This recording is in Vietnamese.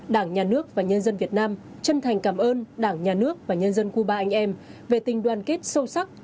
đảng nhà nước và nhân dân việt nam chân thành cảm ơn đảng nhà nước và nhân dân cuba anh em về tình đoàn kết sâu sắc